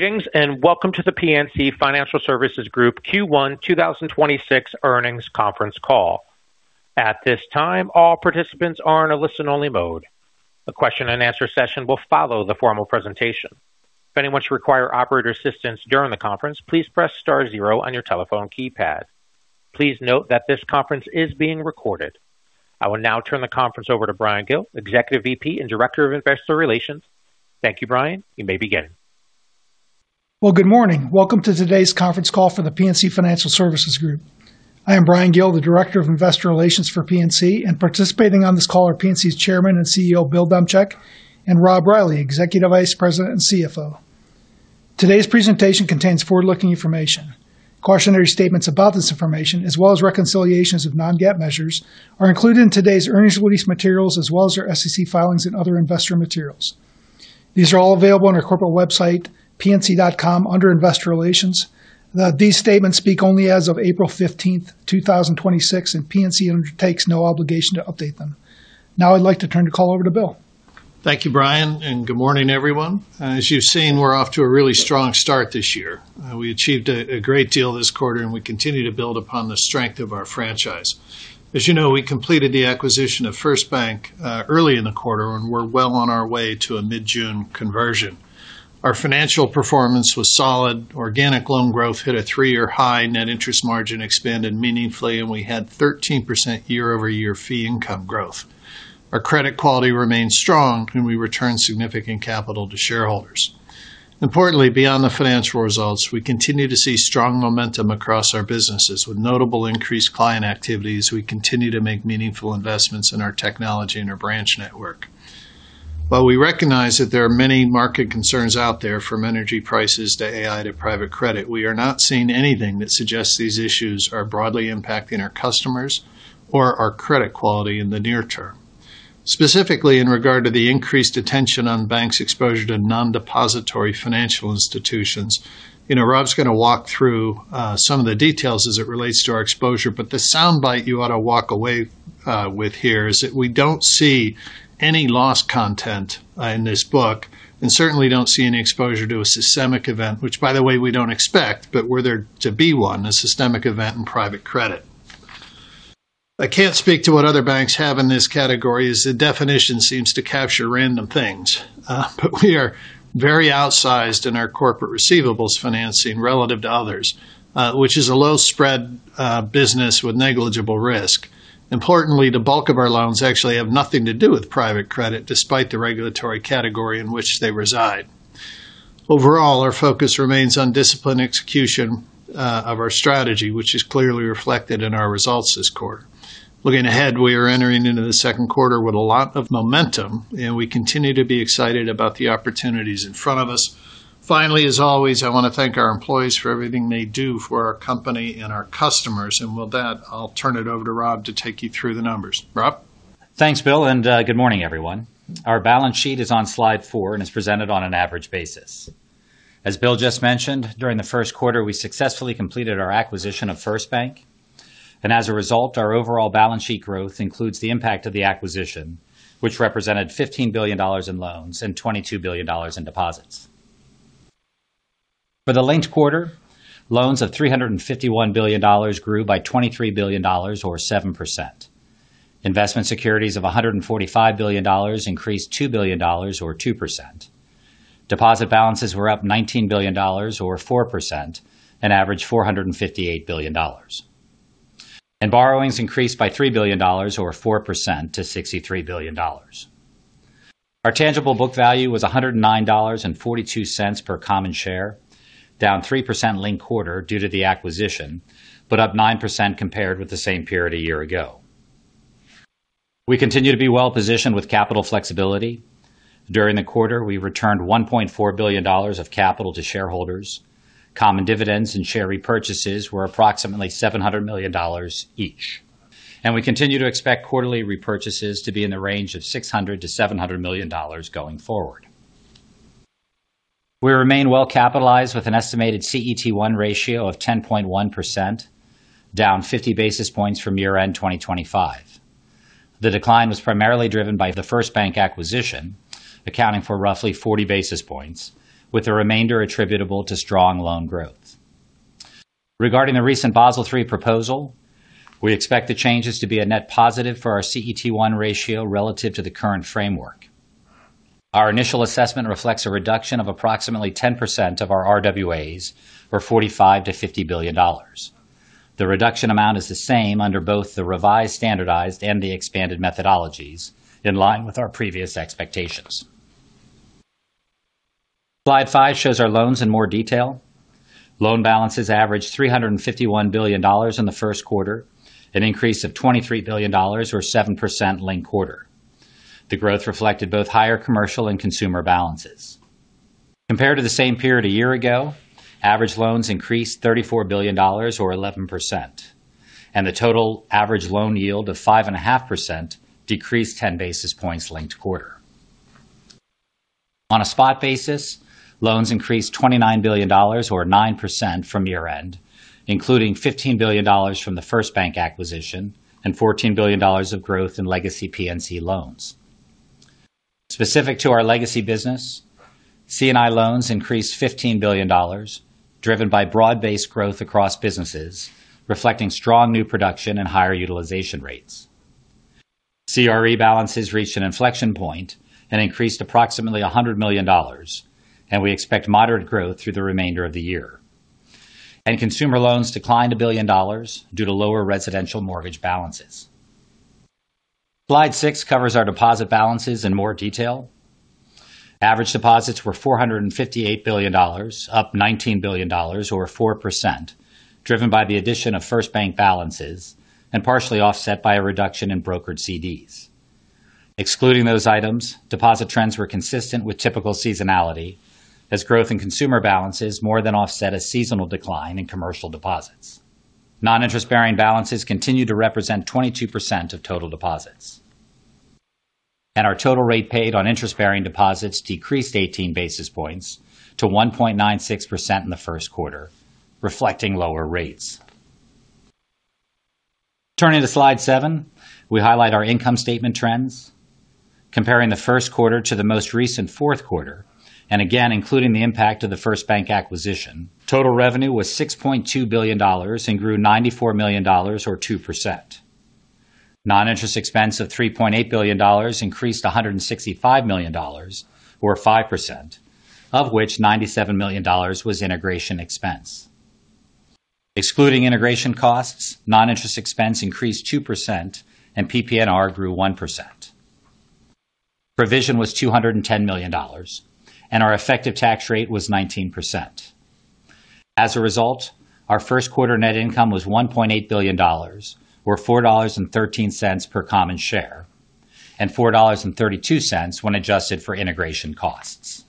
Greetings, and welcome to the PNC Financial Services Group Q1 2026 earnings conference call. At this time, all participants are in a listen-only mode. A question and answer session will follow the formal presentation. If anyone should require operator assistance during the conference, please press star zero on your telephone keypad. Please note that this conference is being recorded. I will now turn the conference over to Bryan Gill, Executive VP and Director of Investor Relations. Thank you, Bryan. You may begin. Well, good morning. Welcome to today's conference call for The PNC Financial Services Group. I am Bryan Gill, the Director of Investor Relations for PNC, and participating on this call are PNC's Chairman and CEO, Bill Demchak, and Rob Reilly, Executive Vice President and CFO. Today's presentation contains forward-looking information. Cautionary statements about this information, as well as reconciliations of non-GAAP measures, are included in today's earnings release materials as well as our SEC filings and other investor materials. These are all available on our corporate website, pnc.com, under Investor Relations. These statements speak only as of April 15th, 2026, and PNC undertakes no obligation to update them. Now I'd like to turn the call over to Bill. Thank you, Bryan, and good morning, everyone. As you've seen, we're off to a really strong start this year. We achieved a great deal this quarter, and we continue to build upon the strength of our franchise. As you know, we completed the acquisition of FirstBank early in the quarter, and we're well on our way to a mid-June conversion. Our financial performance was solid. Organic loan growth hit a three-year high. Net interest margin expanded meaningfully. We had 13% year-over-year fee income growth. Our credit quality remains strong, and we returned significant capital to shareholders. Importantly, beyond the financial results, we continue to see strong momentum across our businesses with notable increased client activities. We continue to make meaningful investments in our technology and our branch network. While we recognize that there are many market concerns out there, from energy prices to AI to private credit, we are not seeing anything that suggests these issues are broadly impacting our customers or our credit quality in the near term. Specifically, in regard to the increased attention on banks' exposure to non-depository financial institutions, Rob's going to walk through some of the details as it relates to our exposure, but the soundbite you ought to walk away with here is that we don't see any loss content in this book, and certainly don't see any exposure to a systemic event, which, by the way, we don't expect. Were there to be one, a systemic event and private credit, I can't speak to what other banks have in this category, as the definition seems to capture random things. We are very outsized in our corporate receivables financing relative to others, which is a low-spread business with negligible risk. Importantly, the bulk of our loans actually have nothing to do with private credit, despite the regulatory category in which they reside. Overall, our focus remains on disciplined execution of our strategy, which is clearly reflected in our results this quarter. Looking ahead, we are entering into the second quarter with a lot of momentum, and we continue to be excited about the opportunities in front of us. Finally, as always, I want to thank our employees for everything they do for our company and our customers. With that, I'll turn it over to Rob to take you through the numbers. Rob? Thanks, Bill, and good morning, everyone. Our balance sheet is on slide four and is presented on an average basis. As Bill just mentioned, during the first quarter, we successfully completed our acquisition of FirstBank, and as a result, our overall balance sheet growth includes the impact of the acquisition, which represented $15 billion in loans and $22 billion in deposits. For the linked quarter, loans of $351 billion grew by $23 billion or 7%. Investment securities of $145 billion increased $2 billion or 2%. Deposit balances were up $19 billion or 4%, an average $458 billion. Borrowings increased by $3 billion or 4% to $63 billion. Our tangible book value was $109.42 per common share, down 3% linked quarter due to the acquisition, but up 9% compared with the same period a year ago. We continue to be well-positioned with capital flexibility. During the quarter, we returned $1.4 billion of capital to shareholders. Common dividends and share repurchases were approximately $700 million each. We continue to expect quarterly repurchases to be in the range of $600 million-$700 million going forward. We remain well-capitalized with an estimated CET1 ratio of 10.1%, down 50 basis points from year-end 2025. The decline was primarily driven by the FirstBank acquisition, accounting for roughly 40 basis points, with the remainder attributable to strong loan growth. Regarding the recent Basel III Proposal, we expect the changes to be a net positive for our CET1 ratio relative to the current framework. Our initial assessment reflects a reduction of approximately 10% of our RWAs or $45 billion-$50 billion. The reduction amount is the same under both the revised standardized and the expanded methodologies, in line with our previous expectations. Slide five shows our loans in more detail. Loan balances averaged $351 billion in the first quarter, an increase of $23 billion or 7% linked-quarter. The growth reflected both higher commercial and consumer balances. Compared to the same period a year ago, average loans increased $34 billion or 11%, and the total average loan yield of 5.5% decreased 10 basis points linked-quarter. On a spot basis, loans increased $29 billion or 9% from year-end, including $15 billion from the FirstBank acquisition and $14 billion of growth in legacy PNC loans. Specific to our legacy business, C&I loans increased $15 billion, driven by broad-based growth across businesses, reflecting strong new production and higher utilization rates. CRE balances reached an inflection point and increased approximately $100 million, and we expect moderate growth through the remainder of the year. Consumer loans declined $1 billion due to lower residential mortgage balances. Slide six covers our deposit balances in more detail. Average deposits were $458 billion, up $19 billion or 4%, driven by the addition of FirstBank balances and partially offset by a reduction in brokered CDs. Excluding those items, deposit trends were consistent with typical seasonality, as growth in consumer balances more than offset a seasonal decline in commercial deposits. Non-interest-bearing balances continue to represent 22% of total deposits. Our total rate paid on interest-bearing deposits decreased 18 basis points to 1.96% in the first quarter, reflecting lower rates. Turning to slide seven, we highlight our income statement trends. Comparing the first quarter to the most recent fourth quarter, and again, including the impact of the FirstBank acquisition, total revenue was $6.2 billion and grew $94 million or 2%. Non-interest expense of $3.8 billion increased $165 million, or 5%, of which $97 million was integration expense. Excluding integration costs, non-interest expense increased 2% and PPNR grew 1%. Provision was $210 million, and our effective tax rate was 19%. As a result, our first quarter net income was $1.8 billion, or $4.13 per common share, and $4.32 when adjusted for integration costs.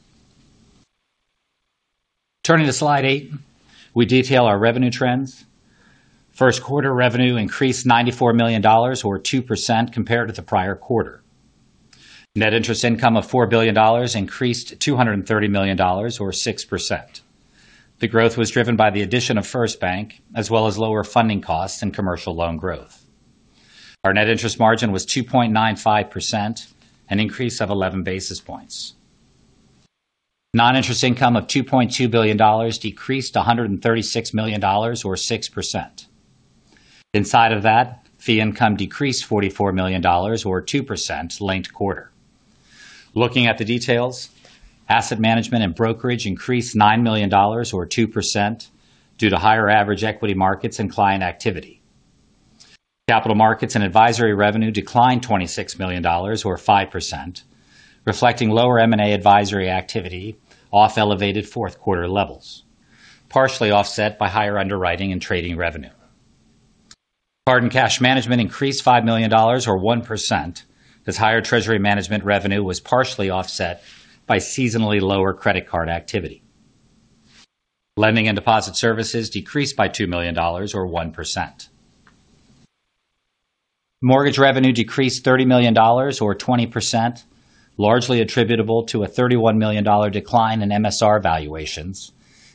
Turning to slide eight, we detail our revenue trends. First quarter revenue increased $94 million or 2% compared to the prior quarter. Net interest income of $4 billion increased $230 million or 6%. The growth was driven by the addition of FirstBank, as well as lower funding costs and commercial loan growth. Our net interest margin was 2.95%, an increase of 11 basis points. Non-interest income of $2.2 billion decreased $136 million or 6%. Inside of that, fee income decreased $44 million or 2% linked quarter. Looking at the details, asset management and brokerage increased $9 million or 2% due to higher average equity markets and client activity. Capital Markets and Advisory revenue declined $26 million or 5%, reflecting lower M&A advisory activity off elevated fourth quarter levels, partially offset by higher underwriting and trading revenue. Card and Cash Management increased $5 million or 1% as higher Treasury Management revenue was partially offset by seasonally lower credit card activity. Lending and Deposit Services decreased by $2 million or 1%. Mortgage revenue decreased $30 million or 20%, largely attributable to a $31 million decline in MSR valuations,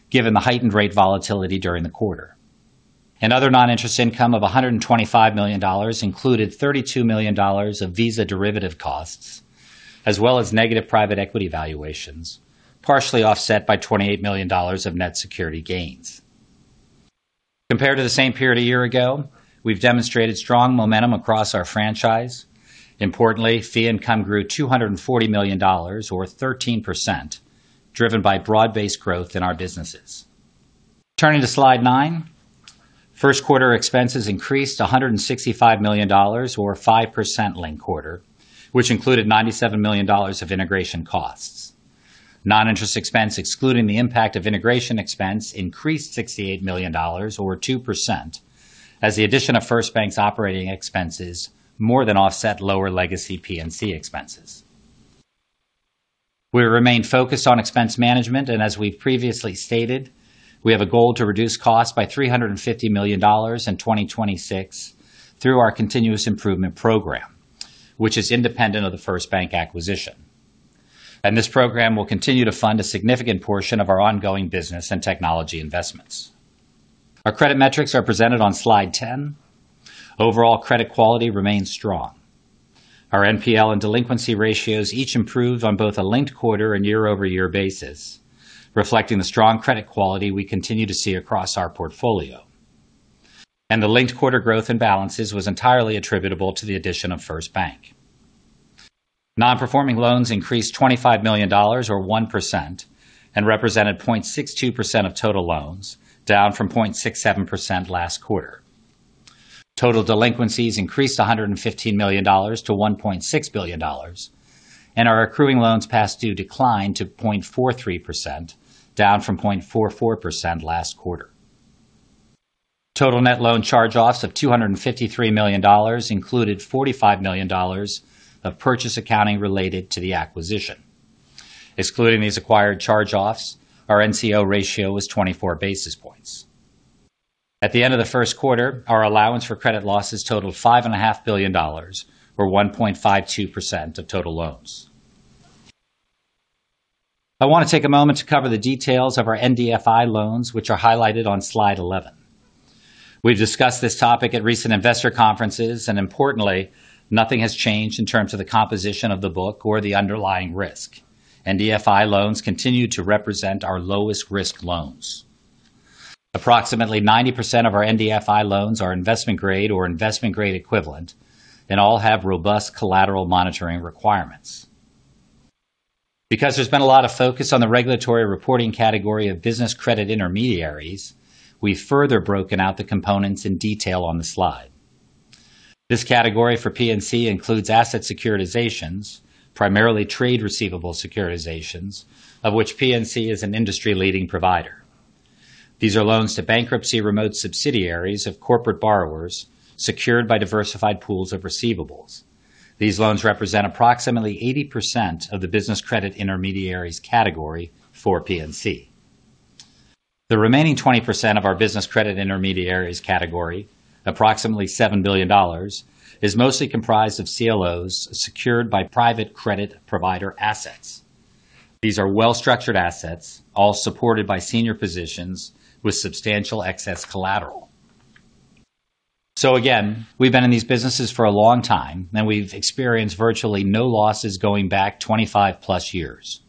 given the heightened rate volatility during the quarter. Other non-interest income of $125 million included $32 million of Visa derivative costs, as well as negative private equity valuations, partially offset by $28 million of net security gains. Compared to the same period a year ago, we've demonstrated strong momentum across our franchise. Importantly, fee income grew $240 million or 13%, driven by broad-based growth in our businesses. Turning to slide nine, first quarter expenses increased $165 million or 5% linked-quarter, which included $97 million of integration costs. Non-interest expense excluding the impact of integration expense increased $68 million or 2% as the addition of FirstBank's operating expenses more than offset lower legacy PNC expenses. We remain focused on expense management, and as we've previously stated, we have a goal to reduce costs by $350 million in 2026 through our Continuous Improvement Program, which is independent of the FirstBank acquisition. This program will continue to fund a significant portion of our ongoing business and technology investments. Our credit metrics are presented on slide 10. Overall credit quality remains strong. Our NPL and delinquency ratios each improve on both a linked-quarter and year-over-year basis, reflecting the strong credit quality we continue to see across our portfolio. The linked quarter growth and balances was entirely attributable to the addition of FirstBank. Non-performing loans increased $25 million or 1% and represented 0.62% of total loans, down from 0.67% last quarter. Total delinquencies increased $115 million to $1.6 billion, and our accruing loans past due declined to 0.43%, down from 0.44% last quarter. Total net loan charge-offs of $253 million included $45 million of purchase accounting related to the acquisition. Excluding these acquired charge-offs, our NCO ratio was 24 basis points. At the end of the first quarter, our allowance for credit losses totaled $5.5 billion, or 1.52% of total loans. I want to take a moment to cover the details of our NDFI loans, which are highlighted on slide 11. We've discussed this topic at recent investor conferences, and importantly, nothing has changed in terms of the composition of the book or the underlying risk. NDFI loans continue to represent our lowest-risk loans. Approximately 90% of our NDFI loans are investment-grade or investment-grade equivalent, and all have robust collateral monitoring requirements. Because there's been a lot of focus on the regulatory reporting category of business credit intermediaries, we've further broken out the components in detail on the slide. This category for PNC includes asset securitizations, primarily trade receivable securitizations, of which PNC is an industry-leading provider. These are loans to bankruptcy-remote subsidiaries of corporate borrowers secured by diversified pools of receivables. These loans represent approximately 80% of the business credit intermediaries category for PNC. The remaining 20% of our business credit intermediaries category, approximately $7 billion, is mostly comprised of CLOs secured by private credit provider assets. These are well-structured assets, all supported by senior positions with substantial excess collateral. Again, we've been in these businesses for a long time, and we've experienced virtually no losses going back 25+ years.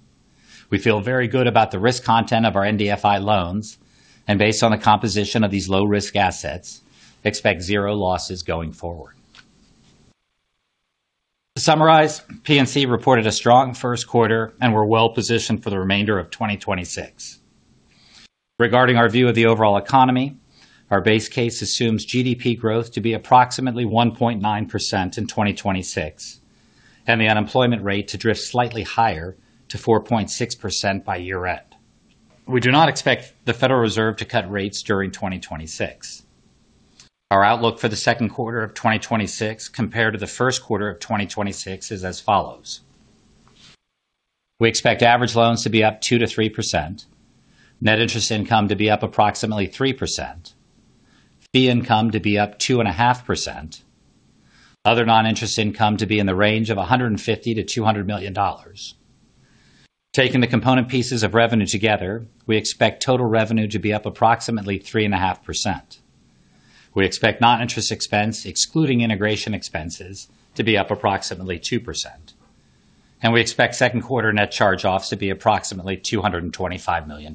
We feel very good about the risk content of our NDFI loans and, based on the composition of these low-risk assets, expect zero losses going forward. To summarize, PNC reported a strong first quarter, and we're well positioned for the remainder of 2026. Regarding our view of the overall economy, our base case assumes GDP growth to be approximately 1.9% in 2026 and the unemployment rate to drift slightly higher to 4.6% by year-end. We do not expect the Federal Reserve to cut rates during 2026. Our outlook for the second quarter of 2026 compared to the first quarter of 2026 is as follows. We expect average loans to be up 2%-3%, net interest income to be up approximately 3%, fee income to be up 2.5%, other non-interest income to be in the range of $150 million-$200 million. Taking the component pieces of revenue together, we expect total revenue to be up approximately 3.5%. We expect non-interest expense, excluding integration expenses, to be up approximately 2%, and we expect second quarter net charge-offs to be approximately $225 million.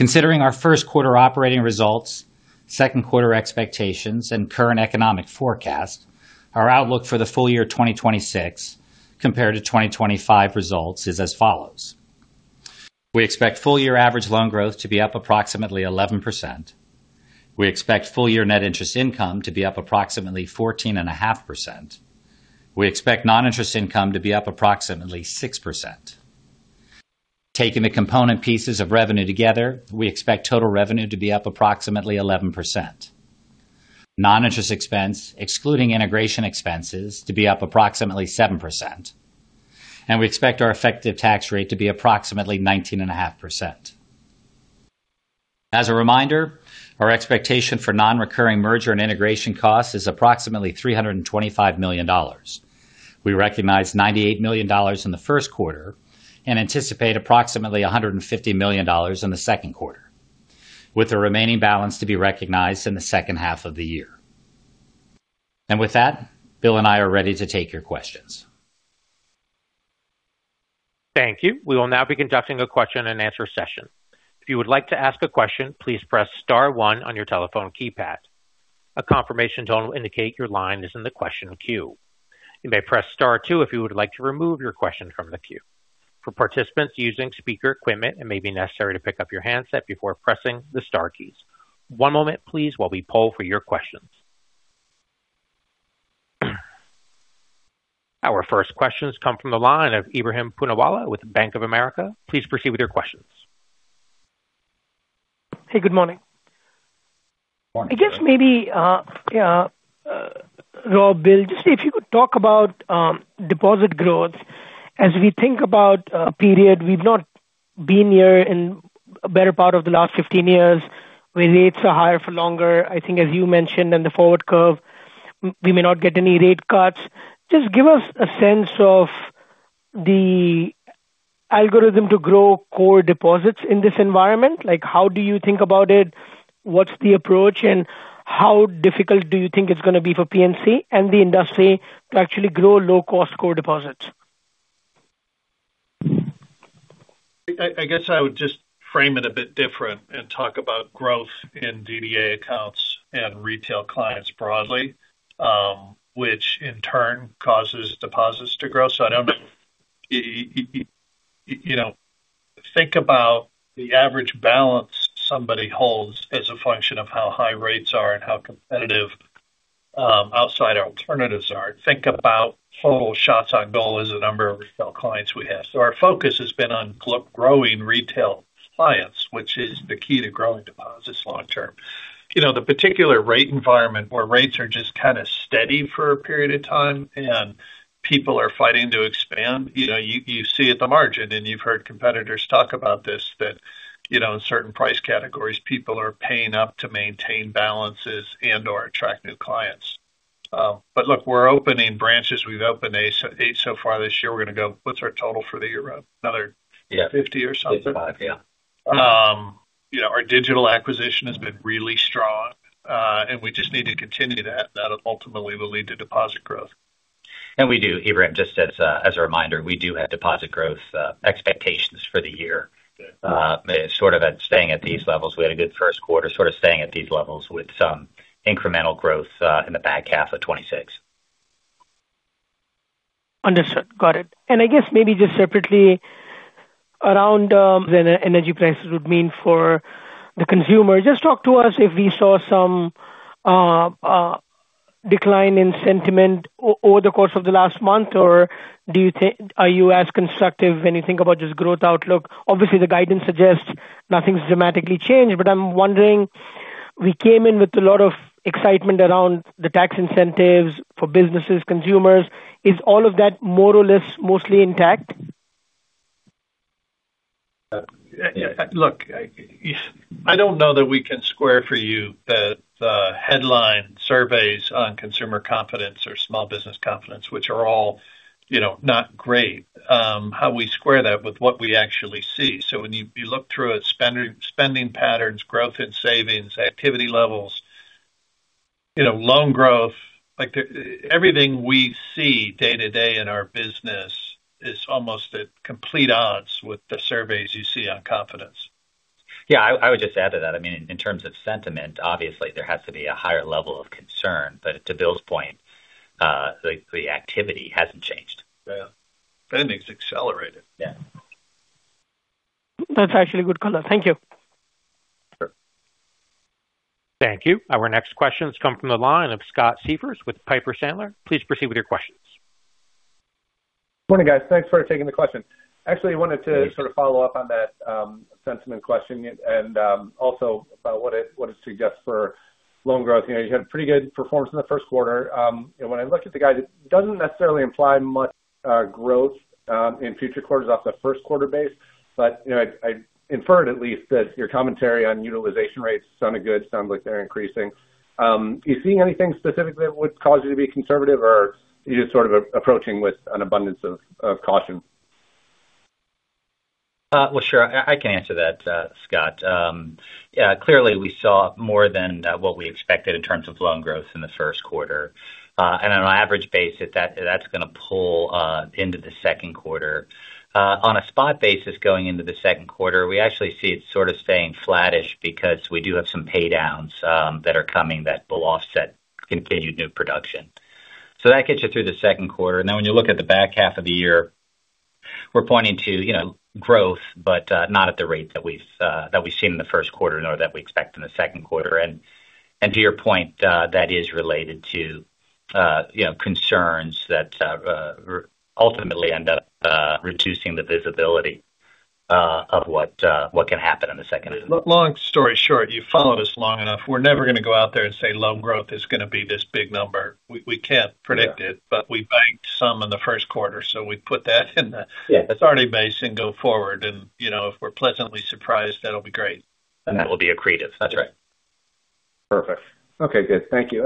Considering our first quarter operating results, second quarter expectations, and current economic forecast, our outlook for the full year 2026 compared to 2025 results is as follows. We expect full year average loan growth to be up approximately 11%. We expect full year net interest income to be up approximately 14.5%. We expect non-interest income to be up approximately 6%. Taking the component pieces of revenue together, we expect total revenue to be up approximately 11%, non-interest expense, excluding integration expenses, to be up approximately 7%, and we expect our effective tax rate to be approximately 19.5%. As a reminder, our expectation for non-recurring merger and integration costs is approximately $325 million. We recognized $98 million in the first quarter and anticipate approximately $150 million in the second quarter, with the remaining balance to be recognized in the second half of the year. With that, Bill and I are ready to take your questions. Thank you. We will now be conducting a question and answer session. If you would like to ask a question, please press star one on your telephone keypad. A confirmation tone will indicate your line is in the question queue. You may press star two if you would like to remove your question from the queue. For participants using speaker equipment, it may be necessary to pick up your handset before pressing the star keys. One moment, please, while we poll for your questions. Our first question come from the line of Ebrahim Poonawala with Bank of America. Please proceed with your questions. Hey, good morning. Morning. I guess maybe, Rob, Bill, just if you could talk about deposit growth. As we think about a period we've not been here in a better part of the last 15 years, where rates are higher for longer, I think as you mentioned in the forward curve, we may not get any rate cuts. Just give us a sense of the algorithm to grow core deposits in this environment. How do you think about it? What's the approach, and how difficult do you think it's going to be for PNC and the industry to actually grow low-cost core deposits? I guess I would just frame it a bit different and talk about growth in DDA accounts and retail clients broadly, which in turn causes deposits to grow. I don't think about the average balance somebody holds as a function of how high rates are and how competitive outside alternatives are. Think about total shots on goal as the number of retail clients we have. Our focus has been on growing retail clients, which is the key to growing deposits long term. The particular rate environment where rates are just kind of steady for a period of time and people are fighting to expand, you see at the margin, and you've heard competitors talk about this, that in certain price categories, people are paying up to maintain balances and/or attract new clients. Look, we're opening branches. We've opened eight so far this year. What's our total for the year, Rob? Yeah. 50 or something? 55. Yeah. Our digital acquisition has been really strong. We just need to continue that, and that ultimately will lead to deposit growth. We do, Ebrahim, just as a reminder, we do have deposit growth expectations for the year. Good. We had a good first quarter, sort of staying at these levels with some incremental growth in the back half of 2026. Understood. Got it. I guess maybe just separately around what the energy prices would mean for the consumer. Just talk to us if we saw some decline in sentiment over the course of the last month. Are you as constructive when you think about just growth outlook? Obviously, the guidance suggests nothing's dramatically changed. I'm wondering, we came in with a lot of excitement around the tax incentives for businesses, consumers. Is all of that more or less mostly intact? Look, I don't know that we can square for you the headline surveys on consumer confidence or small business confidence, which are all not great, how we square that with what we actually see. When you look through at spending patterns, growth in savings, activity levels, loan growth, everything we see day to day in our business is almost at complete odds with the surveys you see on confidence. Yeah, I would just add to that, in terms of sentiment, obviously there has to be a higher level of concern. To Bill's point, the activity hasn't changed. Yeah. Spending's accelerated. Yeah. That's actually a good color. Thank you. Sure. Thank you. Our next question comes from the line of Scott Siefers with Piper Sandler. Please proceed with your questions. Morning, guys. Thanks for taking the question. I actually wanted to. Thank you. Sort of follow up on that sentiment question and also about what it suggests for loan growth. You had pretty good performance in the first quarter. When I look at the guidance, it doesn't necessarily imply much growth in future quarters off the first quarter base. I inferred at least that your commentary on utilization rates sounded good. Sounds like they're increasing. You seeing anything specifically that would cause you to be conservative or you just sort of approaching with an abundance of caution? Well, sure. I can answer that, Scott. Yeah, clearly we saw more than what we expected in terms of loan growth in the first quarter. On an average basis, that's going to pull into the second quarter. On a spot basis going into the second quarter, we actually see it sort of staying flattish because we do have some paydowns that are coming that will offset continued new production. That gets you through the second quarter. When you look at the back half of the year, we're pointing to growth, but not at the rate that we've seen in the first quarter nor that we expect in the second quarter. To your point, that is related to concerns that ultimately end up reducing the visibility of what can happen in the second half. Long story short, you've followed us long enough. We're never going to go out there and say loan growth is going to be this big number. We can't predict it. Yeah. We banked some in the first quarter, so we put that in the. Yeah. Starting base and go forward. If we're pleasantly surprised, that'll be great. That will be accretive. That's right. Perfect. Okay, good. Thank you.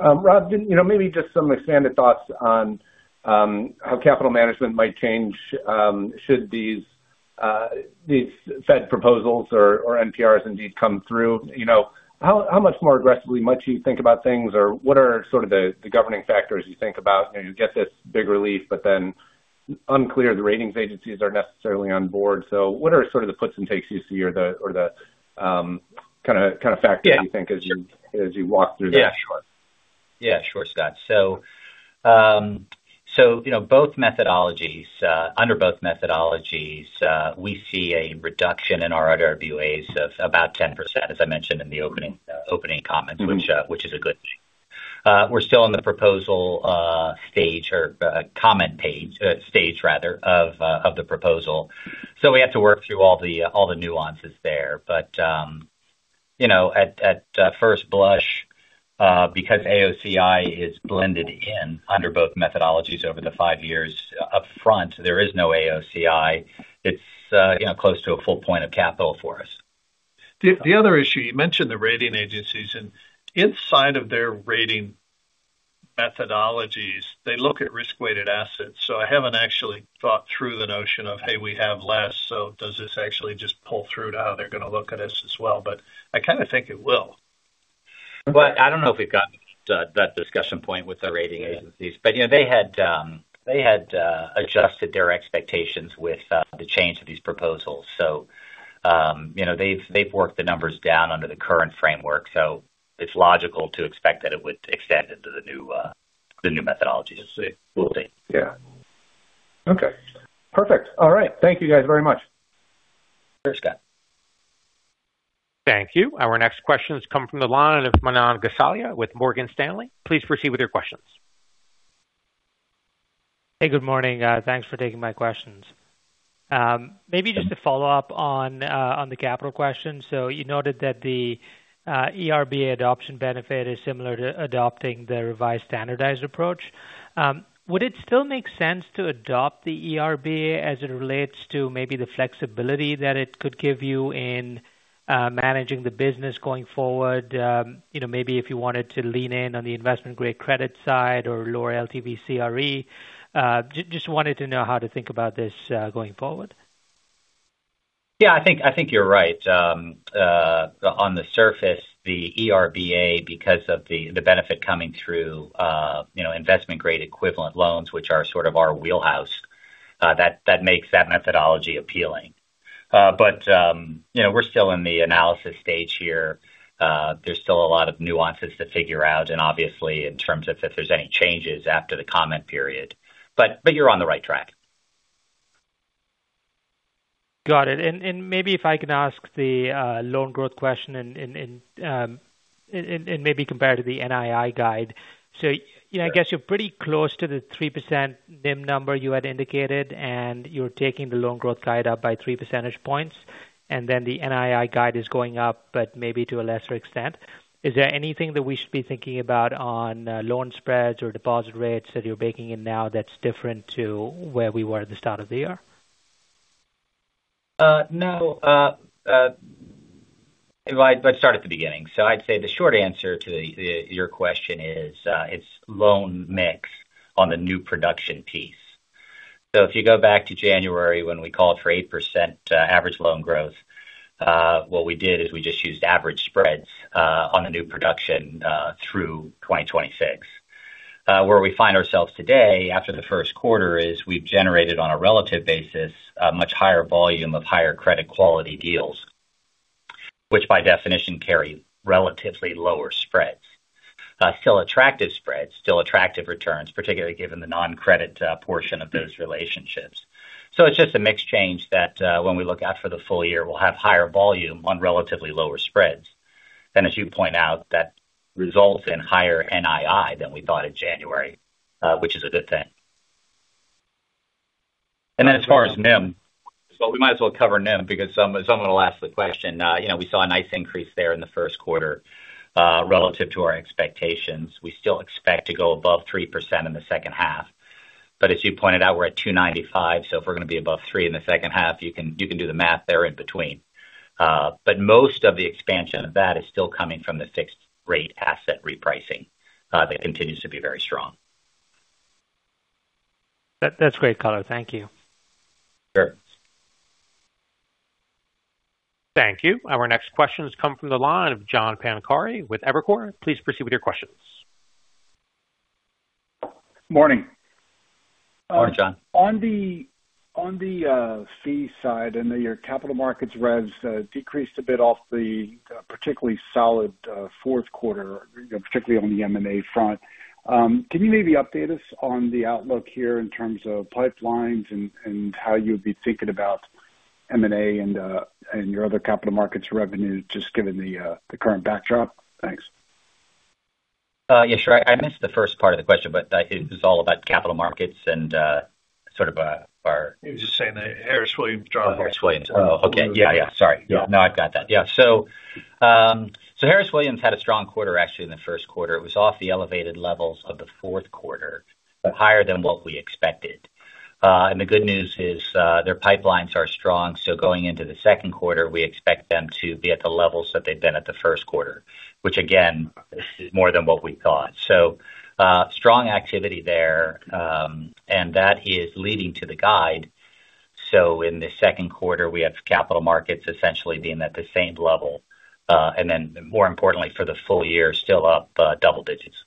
Rob, maybe just some expanded thoughts on how capital management might change should these Fed proposals or NPRs indeed come through. How much more aggressively might you think about things or what are sort of the governing factors you think about? You get this big relief, but then unclear the ratings agencies are necessarily on board. What are sort of the puts and takes you see or the kind of factors you think as you walk through that? Yeah, sure, Scott. Under both methodologies, we see a reduction in our RWAs of about 10%, as I mentioned in the opening comments. Mm-hmm. Which is a good thing. We're still in the proposal stage or comment stage rather, of the proposal. We have to work through all the nuances there. At first blush, because AOCI is blended in under both methodologies over the five years, upfront there is no AOCI. It's close to a full point of capital for us. The other issue, you mentioned the rating agencies and inside of their rating methodologies, they look at risk-weighted assets. I haven't actually thought through the notion of, hey, we have less, so does this actually just pull through to how they're going to look at us as well? I kind of think it will. I don't know if we've gotten to that discussion point with the rating agencies. They had adjusted their expectations with the change of these proposals. They've worked the numbers down under the current framework, so it's logical to expect that it would extend into the new methodologies. We'll see. Yeah. Okay. Perfect. All right. Thank you guys very much. Sure, Scott. Thank you. Our next question comes from the line of Manan Gosalia with Morgan Stanley. Please proceed with your questions. Hey, good morning. Thanks for taking my questions. Maybe just to follow up on the capital question. You noted that the ERBA adoption benefit is similar to adopting the revised standardized approach. Would it still make sense to adopt the ERBA as it relates to maybe the flexibility that it could give you in managing the business going forward, maybe if you wanted to lean in on the investment-grade credit side or lower LTV CRE? I just wanted to know how to think about this going forward. Yeah, I think you're right. On the surface, the ERBA because of the benefit coming through investment-grade equivalent loans which are sort of our wheelhouse, that makes that methodology appealing. We're still in the analysis stage here. There's still a lot of nuances to figure out and obviously in terms of if there's any changes after the comment period. You're on the right track. Got it. And maybe if I can ask the loan growth question and maybe compare to the NII guide. So I guess you're pretty close to the 3% NIM number you had indicated, and you're taking the loan growth guide up by three percentage points, and then the NII guide is going up, but maybe to a lesser extent. Is there anything that we should be thinking about on loan spreads or deposit rates that you're baking in now that's different to where we were at the start of the year? No. Let's start at the beginning. I'd say the short answer to your question is, it's loan mix on the new production piece. If you go back to January when we called for 8% average loan growth, what we did is we just used average spreads on the new production through 2026. Where we find ourselves today after the first quarter is we've generated, on a relative basis, a much higher volume of higher credit quality deals, which by definition carry relatively lower spreads, still attractive spreads, still attractive returns, particularly given the non-credit portion of those relationships. It's just a mix change that when we look out for the full year, we'll have higher volume on relatively lower spreads. As you point out, that results in higher NII than we thought in January, which is a good thing. As far as NIM, so we might as well cover NIM because someone will ask the question. We saw a nice increase there in the first quarter relative to our expectations. We still expect to go above 3% in the second half. As you pointed out, we're at 2.95%, so if we're going to be above 3% in the second half, you can do the math there in between. Most of the expansion of that is still coming from the fixed rate asset repricing that continues to be very strong. That's great color. Thank you. Sure. Thank you. Our next question comes from the line of John Pancari with Evercore. Please proceed with your questions. Morning. Morning, John. On the fee side, I know your capital markets revs decreased a bit off the particularly solid fourth quarter, particularly on the M&A front. Can you maybe update us on the outlook here in terms of pipelines and how you'd be thinking about M&A and your other capital markets revenue just given the current backdrop? Thanks. Yeah, sure. I missed the first part of the question, but it was all about capital markets. He was just saying that Harris Williams drove. Oh, Harris Williams. Oh, okay. Yeah. Sorry. Yeah. No, I've got that. Yeah. Harris Williams had a strong quarter actually in the first quarter. It was off the elevated levels of the fourth quarter, but higher than what we expected. The good news is their pipelines are strong, so going into the second quarter, we expect them to be at the levels that they've been at the first quarter, which, again, is more than what we thought. Strong activity there, and that is leading to the guide. In the second quarter, we have Capital Markets essentially being at the same level. More importantly, for the full year, still up double digits.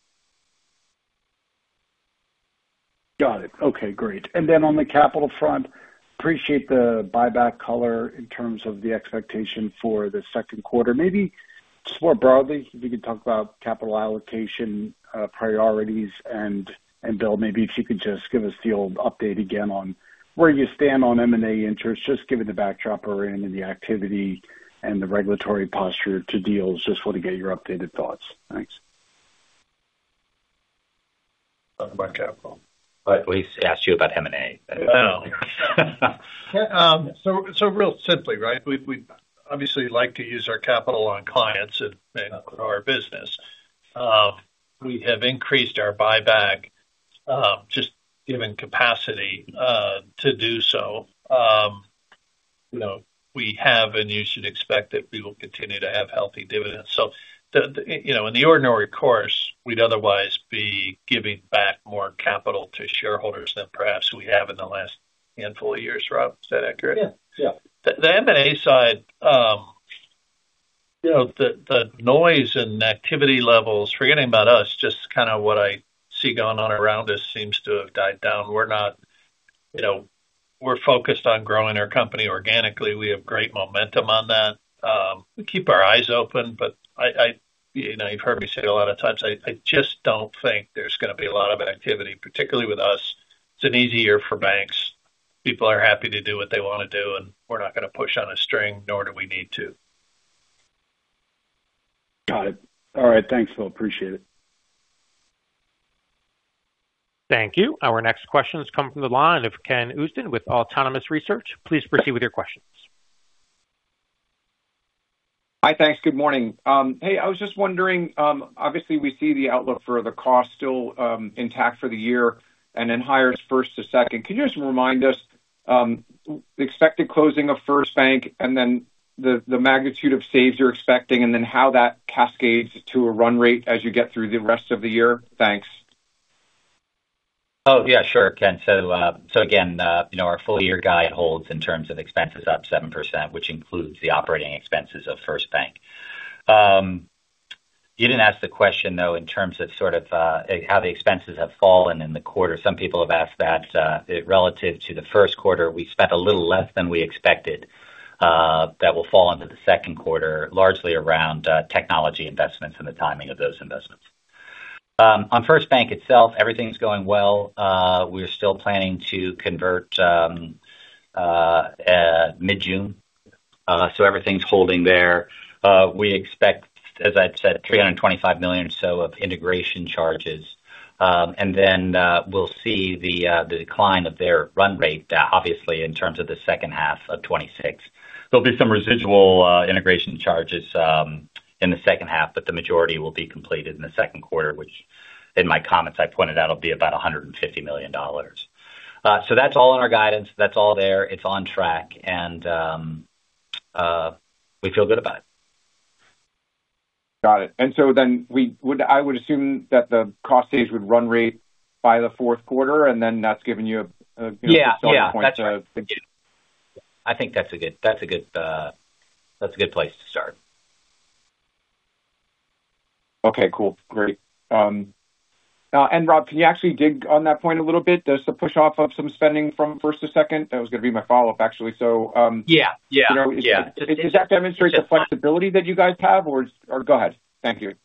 Got it. Okay, great. On the capital front, I appreciate the buyback color in terms of the expectation for the second quarter. Maybe just more broadly, if you could talk about capital allocation priorities and Bill, maybe if you could just give us the old update again on where you stand on M&A interest, just given the backdrop we're in and the activity and the regulatory posture to deals? I just want to get your updated thoughts. Thanks. Talk about capital. At least he asked you about M&A. Real simply, right? We obviously like to use our capital on clients and our business. We have increased our buyback just given capacity to do so. We have, and you should expect that we will continue to have healthy dividends. In the ordinary course, we'd otherwise be giving back more capital to shareholders than perhaps we have in the last handful of years. Rob, is that accurate? Yeah. The M&A side, the noise and activity levels, forgetting about us, just kind of what I see going on around us seems to have died down. We're focused on growing our company organically. We have great momentum on that. We keep our eyes open, but you've heard me say a lot of times, I just don't think there's going to be a lot of activity, particularly with us. It's an easy year for banks. People are happy to do what they want to do, and we're not going to push on a string, nor do we need to. Got it. All right. Thanks. Bill, appreciate it. Thank you. Our next question comes from the line of Ken Usdin with Autonomous Research. Please proceed with your question. Hi. Thanks. Good morning. Hey, I was just wondering, obviously, we see the outlook for the cost still intact for the year and then higher first to second. Can you just remind us the expected closing of FirstBank and then the magnitude of saves you're expecting, and then how that cascades to a run rate as you get through the rest of the year? Thanks. Oh, yeah. Sure, Ken. Again, our full year guide holds in terms of expenses up 7%, which includes the operating expenses of FirstBank. You didn't ask the question, though, in terms of how the expenses have fallen in the quarter. Some people have asked that. Relative to the first quarter, we spent a little less than we expected. That will fall into the second quarter, largely around technology investments and the timing of those investments. On FirstBank itself, everything's going well. We're still planning to convert mid-June. Everything's holding there. We expect, as I'd said, $325 million or so of integration charges. We'll see the decline of their run rate, obviously, in terms of the second half of 2026. There'll be some residual integration charges in the second half, but the majority will be completed in the second quarter, which in my comments I pointed out will be about $150 million. That's all in our guidance. That's all there. It's on track, and we feel good about it. Got it. I would assume that the cost saves would run rate by the fourth quarter, and then that's given you a- Yeah. Good starting point to. I think that's a good place to start. Okay, cool. Great. Rob, can you actually dig on that point a little bit, does the push off of some spending from first to second? That was going to be my follow-up, actually. Yeah. Does that demonstrate the flexibility that you guys have? Go ahead. Thank you.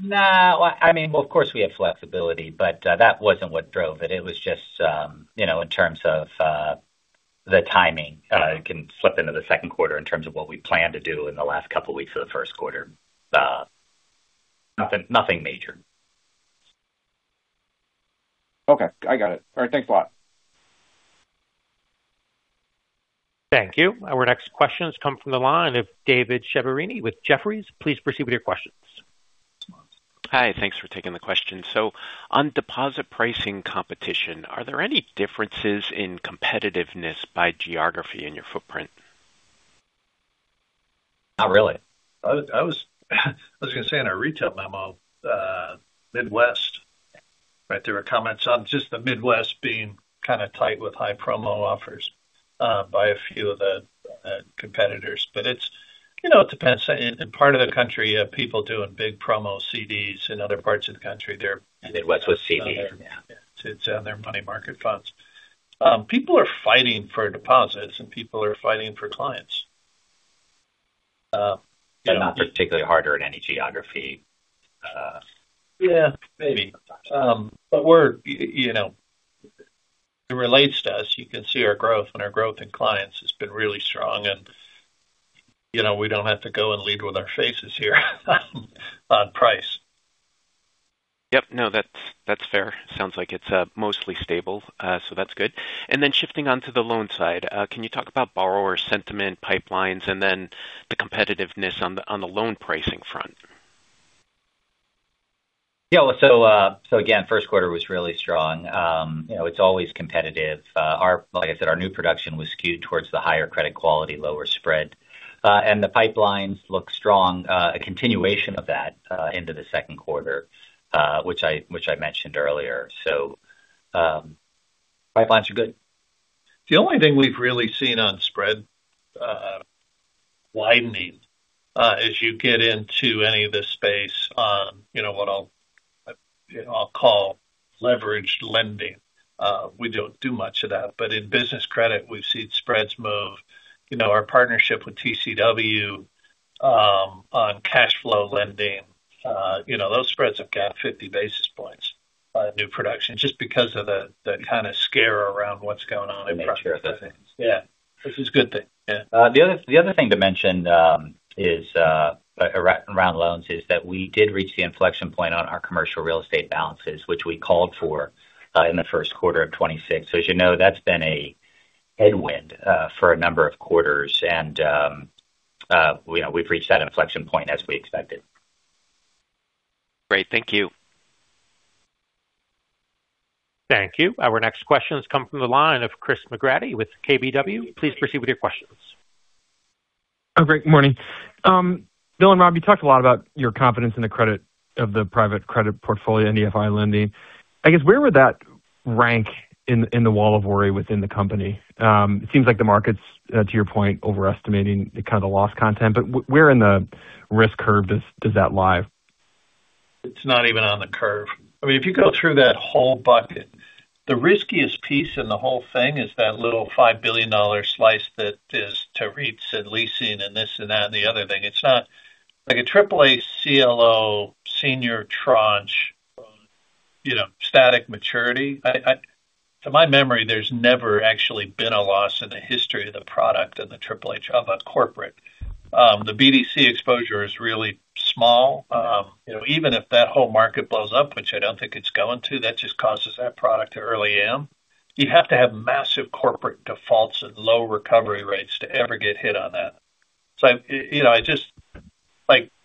No. Well, of course, we have flexibility, but that wasn't what drove it. It was just in terms of the timing can slip into the second quarter in terms of what we plan to do in the last couple of weeks of the first quarter. Nothing major. Okay, I got it. All right. Thanks a lot. Thank you. Our next question has come from the line of David Chiaverini with Jefferies. Please proceed with your questions. Hi. Thanks for taking the question. On deposit pricing competition, are there any differences in competitiveness by geography in your footprint? Not really. I was going to say in our retail memo, Midwest. There were comments on just the Midwest being kind of tight with high promo offers by a few of the competitors. It depends. In part of the country, you have people doing big promo CDs in other parts of country. Midwest with CDs. Yeah. It's on their money market funds. People are fighting for deposits, and people are fighting for clients. They're not particularly harder in any geography. Yeah, maybe. It relates to us. You can see our growth and our growth in clients has been really strong, and we don't have to go and lead with our faces here on price. Yep. No, that's fair. Sounds like it's mostly stable. That's good. Shifting on to the loan side, can you talk about borrower sentiment, pipelines, and then the competitiveness on the loan pricing front? Yeah. Again, first quarter was really strong. It's always competitive. Like I said, our new production was skewed towards the higher credit quality, lower spread. The pipelines look strong, a continuation of that into the second quarter, which I mentioned earlier. Pipelines are good. The only thing we've really seen on spread widening, as you get into any of the space on what I'll call leveraged lending, we don't do much of that, but in business credit, we've seen spreads move. Our partnership with TCW on cash flow lending, those spreads have gapped 50 basis points on new production just because of the kind of scare around what's going on. They made sure. Yeah, which is a good thing, yeah. The other thing to mention around loans is that we did reach the inflection point on our commercial real estate balances, which we called for in the first quarter of 2026. As you know, that's been a headwind for a number of quarters. We've reached that inflection point as we expected. Great. Thank you. Thank you. Our next question has come from the line of Chris McGratty with KBW. Please proceed with your questions. Oh, great morning. Bill and Rob, you talked a lot about your confidence in the credit of the private credit portfolio and NDFI lending. I guess, where would that rank in the wall of worry within the company? It seems like the market's, to your point, overestimating the kind of loss content. Where in the risk curve does that lie? It's not even on the curve. If you go through that whole bucket, the riskiest piece in the whole thing is that little $5 billion slice that is to REITs and leasing and this and that and the other thing. Like a AAA CLO senior tranche loan, static maturity. To my memory, there's never actually been a loss in the history of the product in the AAA of a corporate. The BDC exposure. It's really small. Even if that whole market blows up, which I don't think it's going to, that just causes that product to early am. You'd have to have massive corporate defaults and low recovery rates to ever get hit on that.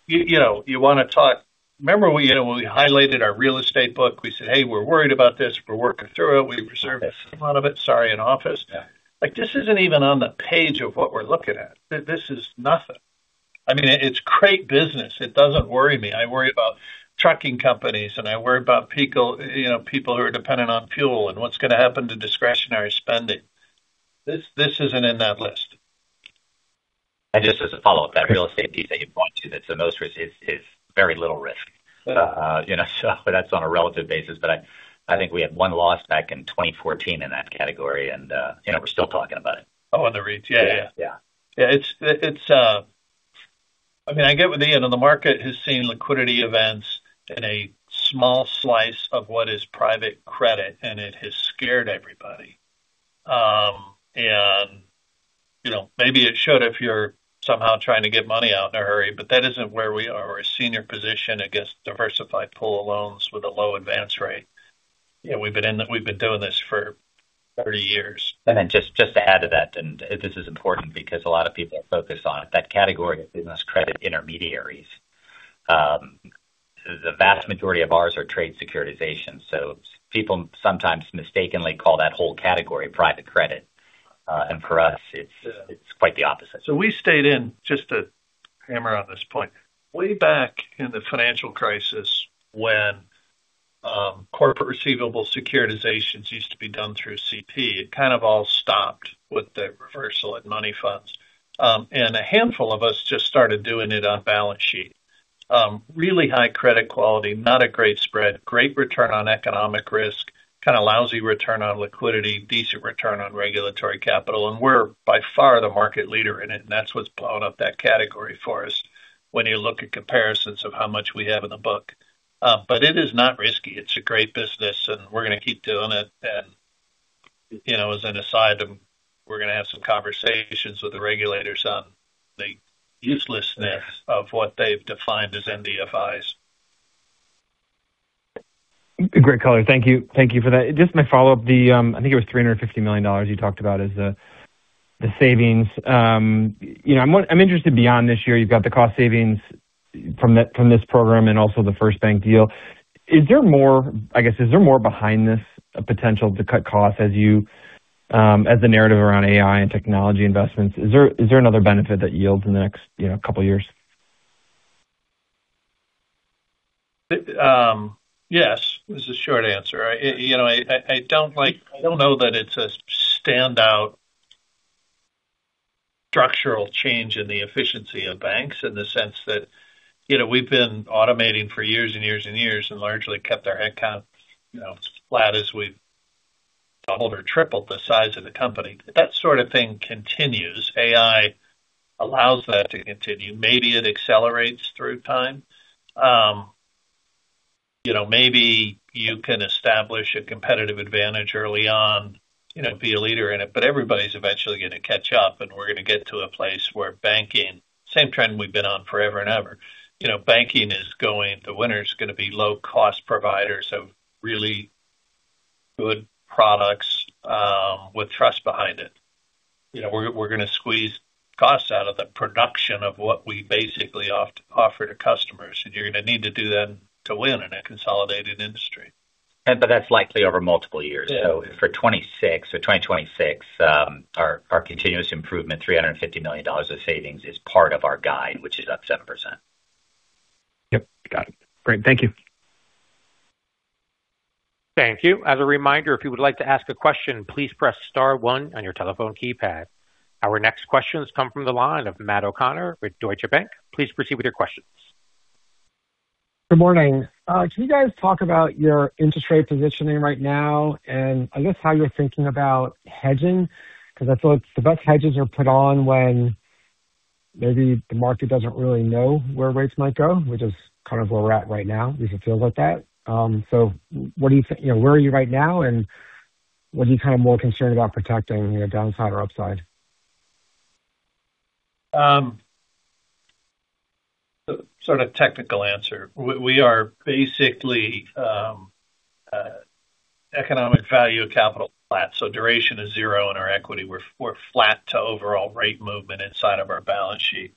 You want to talk. Remember we highlighted our real estate book. We said, "Hey, we're worried about this. We're working through it. We reserved a lot of it." Sorry, in office. Yeah. This isn't even on the page of what we're looking at. This is nothing. It's great business. It doesn't worry me. I worry about trucking companies, and I worry about people who are dependent on fuel and what's going to happen to discretionary spending. This isn't in that list. Just as a follow-up, that real estate piece that you point to, that's the most risk, is very little risk. Yeah. That's on a relative basis, but I think we had one loss back in 2014 in that category, and we're still talking about it. Oh, on the REITs. Yeah. Yeah. I get with Ian, and the market has seen liquidity events in a small slice of what is private credit, and it has scared everybody. Maybe it should if you're somehow trying to get money out in a hurry. That isn't where we are. We're a senior position against diversified pool of loans with a low advance rate. We've been doing this for 30 years. Just to add to that, and this is important because a lot of people focus on it, that category of business credit intermediaries, the vast majority of ours are trade securitizations. People sometimes mistakenly call that whole category private credit. For us, it's quite the opposite. We stayed in, just to hammer on this point. Way back in the financial crisis when corporate receivable securitizations used to be done through CP, it kind of all stopped with the reversal at money funds. A handful of us just started doing it on balance sheet. Really high credit quality, not a great spread, great return on economic risk, kind of lousy return on liquidity, decent return on regulatory capital, and we're by far the market leader in it, and that's what's blowing up that category for us when you look at comparisons of how much we have in the book. It is not risky. It's a great business, and we're going to keep doing it. As an aside, we're going to have some conversations with the regulators on the uselessness of what they've defined as NDFIs. Great color. Thank you for that. Just my follow-up, I think it was $350 million you talked about as the savings. I'm interested beyond this year. You've got the cost savings from this program and also the FirstBank deal. I guess, is there more behind this potential to cut costs as the narrative around AI and technology investments? Is there another benefit that yields in the next couple of years? Yes. This is short answer. I don't know that it's a standout structural change in the efficiency of banks in the sense that we've been automating for years and years and years and largely kept our headcount flat as we doubled or tripled the size of the company. That sort of thing continues. AI allows that to continue. Maybe it accelerates through time. Maybe you can establish a competitive advantage early on and be a leader in it. Everybody's eventually going to catch up, and we're going to get to a place where banking, same trend we've been on forever and ever. The winner's going to be low-cost providers of really good products with trust behind it. We're going to squeeze costs out of the production of what we basically offer to customers, and you're going to need to do that to win in a consolidated industry. That's likely over multiple years. Yeah. So for 2026 or 2026, our continuous improvement, $350 million of savings is part of our guide, which is up 7%. Yep, got it. Great. Thank you. Thank you. As a reminder, if you would like to ask a question, please press star one on your telephone keypad. Our next questions come from the line of Matt O'Connor with Deutsche Bank. Please proceed with your questions. Good morning. Can you guys talk about your interest rate positioning right now and I guess how you're thinking about hedging, because I feel like the best hedges are put on when maybe the market doesn't really know where rates might go, which is kind of where we're at right now? At least it feels like that. Where are you right now, and what are you more concerned about protecting, downside or upside? Sort of technical answer, we are basically economic value of capital flat. Duration is zero in our equity. We're flat to overall rate movement inside of our balance sheet.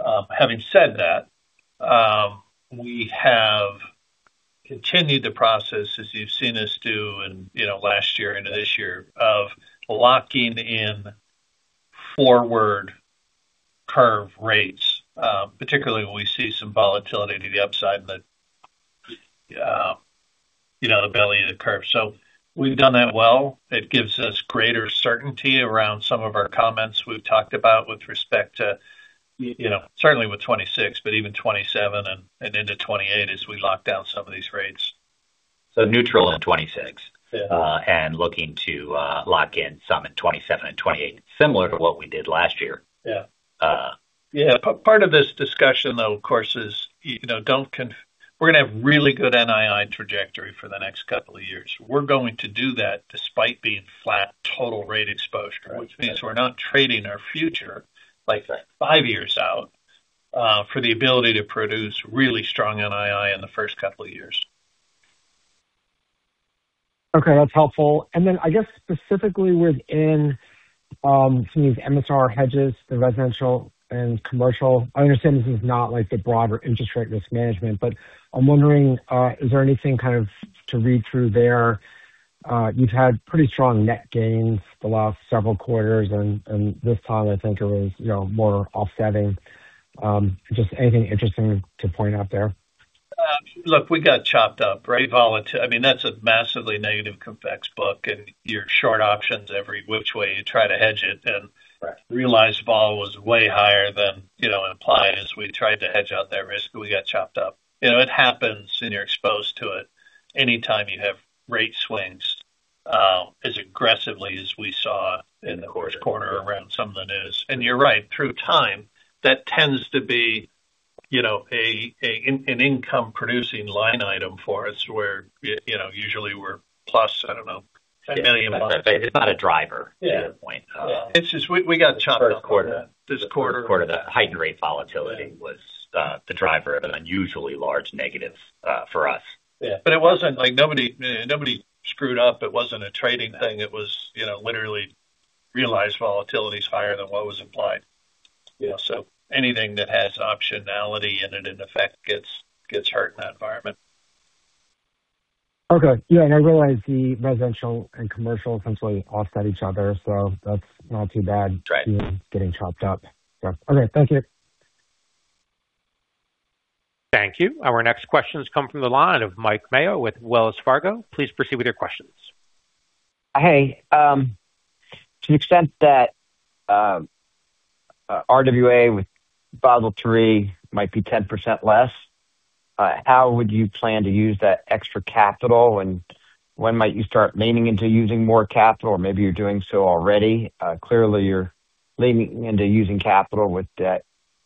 Having said that, we have continued the process as you've seen us do in last year and this year of locking in forward curve rates, particularly when we see some volatility to the upside in the belly of the curve. We've done that well. It gives us greater certainty around some of our comments we've talked about with respect to certainly with 2026, but even 2027 and into 2028 as we lock down some of these rates. Neutral on 2026. Yeah. Looking to lock in some in 2027 and 2028, similar to what we did last year. Yeah. Part of this discussion of course is we're going to have really good NII trajectory for the next couple of years. We're going to do that despite being flat total rate exposure, which means we're not trading our future. Like that. Five years out for the ability to produce really strong NII in the first couple of years. Okay, that's helpful. I guess specifically within some of these MSR hedges, the residential and commercial. I understand this is not like the broader interest rate risk management, but I'm wondering, is there anything kind of to read through there? You've had pretty strong net gains the last several quarters, and this time I think it was more offsetting. Just anything interesting to point out there? Look, we got chopped up, right? I mean, that's a massively negative convex book, and you're short options every which way you try to hedge it. Right. Realized vol was way higher than implied as we tried to hedge out that risk. We got chopped up. It happens and you're exposed to it anytime you have rate swings as aggressively as we saw. In the quarter. This quarter around some of the news. You're right, through time, that tends to be an income-producing line item for us where usually we're plus, I don't know, $10 million. It's not a driver. Yeah. To your point. It's just we got chopped up this quarter. This quarter, the heightened rate volatility was the driver of an unusually large negative for us. Yeah. It wasn't like anybody screwed up. It wasn't a trading thing. It was literally realized volatility is higher than what was implied. Yeah. Anything that has optionality in it, in effect, gets hurt in that environment. Okay. Yeah, I realize the residential and commercial essentially offset each other, so that's not too bad. Right. Getting chopped up. Okay. Thank you. Thank you. Our next question comes from the line of Mike Mayo with Wells Fargo. Please proceed with your questions. Hey. To the extent that RWA with Basel III might be 10% less, how would you plan to use that extra capital, and when might you start leaning into using more capital? Maybe you're doing so already. Clearly you're leaning into using capital with that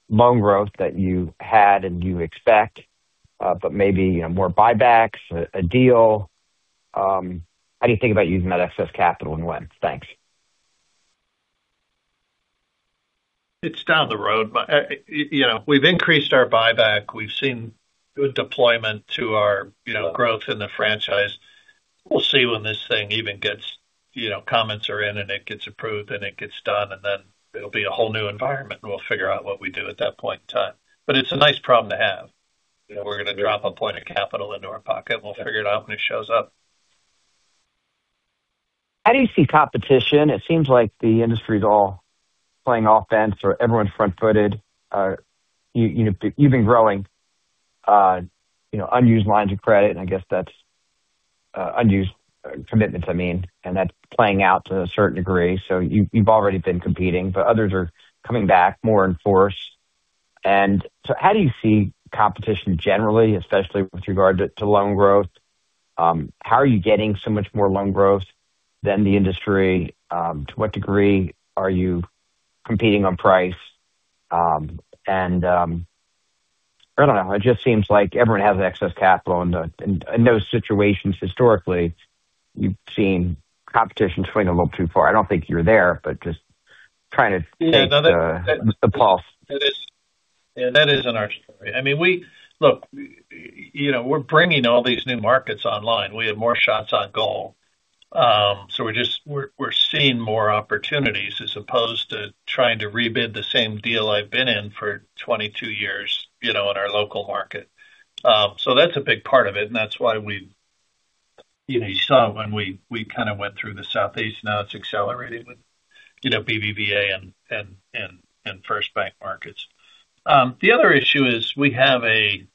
loan growth that you had and you expect, but maybe more buybacks, a deal. How do you think about using that excess capital and when? Thanks. It's down the road. We've increased our buyback. We've seen good deployment to our growth in the franchise. We'll see when this thing even gets, comments are in and it gets approved and it gets done, and then it'll be a whole new environment and we'll figure out what we do at that point in time. It's a nice problem to have. We're going to drop a point of capital into our pocket and we'll figure it out when it shows up. How do you see competition? It seems like the industry is all playing offense or everyone's front-footed. You've been growing unused lines of credit, and I guess that's unused commitments, I mean, and that's playing out to a certain degree. You've already been competing, but others are coming back more in force. How do you see competition generally, especially with regard to loan growth? How are you getting so much more loan growth than the industry? To what degree are you competing on price? I don't know, it just seems like everyone has excess capital, and in those situations, historically, you've seen competition swing a little too far. I don't think you're there, but just trying to take the pulse. Yeah. That isn't our story. Look, we're bringing all these new markets online. We have more shots on goal. We're seeing more opportunities as opposed to trying to rebid the same deal I've been in for 22 years in our local market. That's a big part of it, and that's why you saw when we kind of went through the Southeast, now it's accelerating with BBVA and FirstBank markets. The other issue is we have a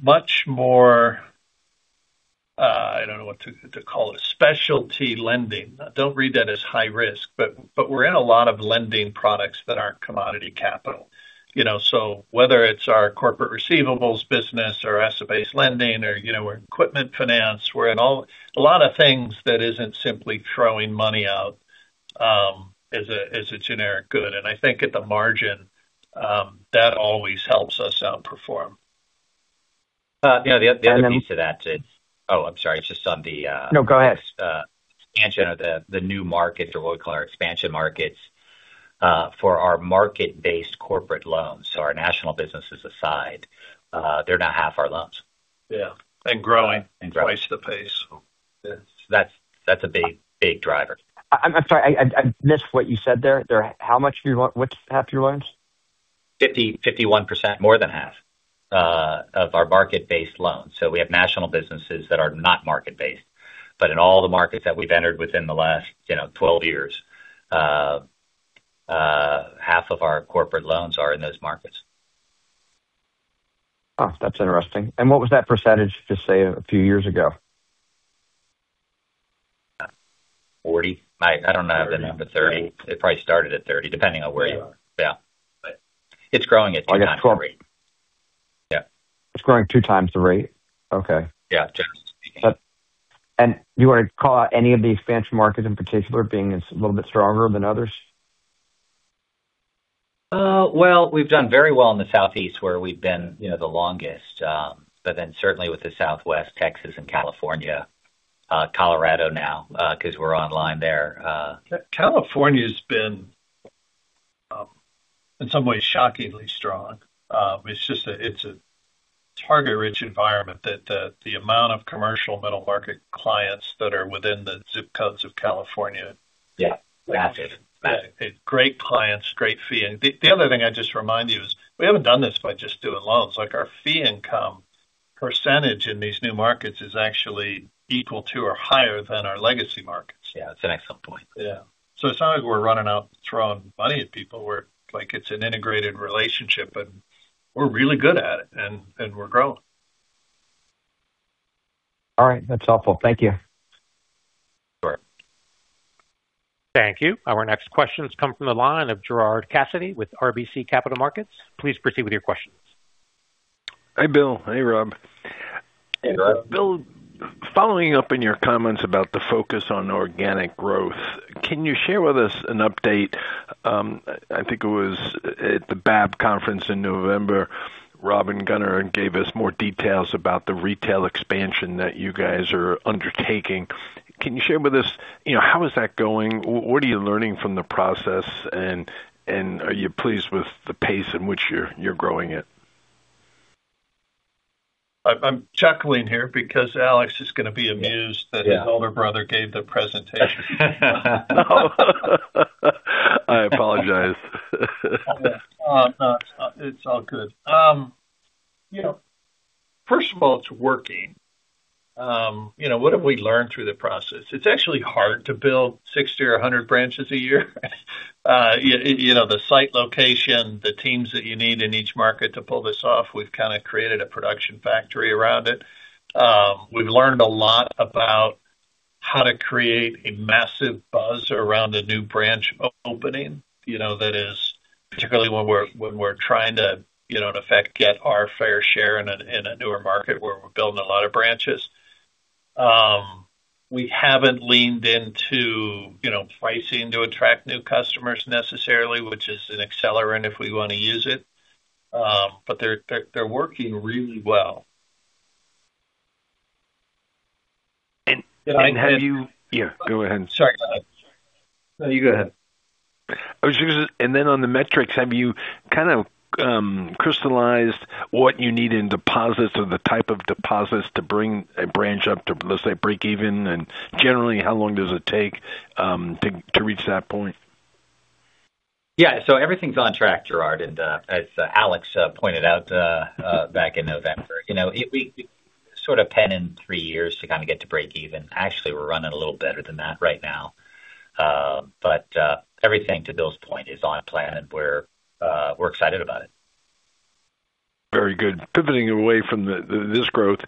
much more, I don't know what to call it, specialty lending. Don't read that as high risk, but we're in a lot of lending products that aren't commodity capital. Whether it's our corporate receivables business or asset-based lending or equipment finance, we're in a lot of things that isn't simply throwing money out as a generic good. I think at the margin, that always helps us outperform. Oh, I'm sorry. No, go ahead. The expansion of the new markets or what we call our expansion markets, for our market-based corporate loans. Our national businesses aside, they're now half our loans. Yeah, growing twice the pace. That's a big driver. I'm sorry. I missed what you said there. What's half your loans? 51%, more than half of our market-based loans. We have national businesses that are not market-based. In all the markets that we've entered within the last 12 years, half of our corporate loans are in those markets. Oh, that's interesting. What was that percentage, just say, a few years ago? 40%. I don't know. I've been up to 30%. It probably started at 30%, depending on where you are. Yeah. It's growing at 2x the rate. Yeah. It's growing 2x the rate. Okay. Yeah. Do you want to call out any of the expansion markets in particular being a little bit stronger than others? Well, we've done very well in the Southeast where we've been the longest, certainly with the Southwest, Texas and California, Colorado now, because we're online there. California's been, in some ways, shockingly strong. It's just a target-rich environment that the amount of commercial middle-market clients that are within the ZIP codes of California. Yeah, rapid. Great clients, great fee. The other thing I'd just remind you is we haven't done this by just doing loans. Our fee income percentage in these new markets is actually equal to or higher than our legacy markets. Yeah. That's an excellent point. Yeah. It's not like we're running out throwing money at people where it's an integrated relationship, and we're really good at it, and we're growing. All right. That's helpful. Thank you. Great. Thank you. Our next question comes from the line of Gerard Cassidy with RBC Capital Markets. Please proceed with your questions. Hi, Bill. Hey, Rob. Hey, Gerard. Bill, following up on your comments about the focus on organic growth, can you share with us an update? I think it was at the BAB conference in November. Rob and Gannon gave us more details about the retail expansion that you guys are undertaking. Can you share with us how is that going? What are you learning from the process, and are you pleased with the pace at which you're growing it? I'm chuckling here because Alex is going to be amused that his older brother gave the presentation. I apologize. It's all good. First of all, it's working. What have we learned through the process? It's actually hard to build 60 or 100 branches a year, the site location, the teams that you need in each market to pull this off. We've kind of created a production factory around it. We've learned a lot about how to create a massive buzz around a new branch opening, particularly when we're trying to, in effect, get our fair share in a newer market where we're building a lot of branches. We haven't leaned into pricing to attract new customers necessarily, which is an accelerant if we want to use it. They're working really well. Yeah, go ahead. Sorry. No, you go ahead. On the metrics, have you kind of crystallized what you need in deposits or the type of deposits to bring a branch up to, let's say, break-even? Generally, how long does it take to reach that point? Yeah. Everything's on track, Gerard, and as Alex pointed out back in November. We sort of pen in three years to kind of get to breakeven. Actually, we're running a little better than that right now. Everything to Bill's point is on plan, and we're excited about it. Very good. Pivoting away from this growth,